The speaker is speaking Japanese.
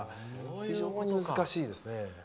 非常に難しいですね。